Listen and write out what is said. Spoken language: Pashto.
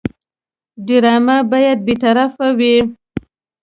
ډرامه باید بېطرفه وي